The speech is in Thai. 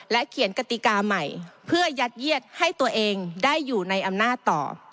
เขียนกติกาใหม่เพื่อยัดเยียดให้ตัวเองได้อยู่ในอำนาจต่อ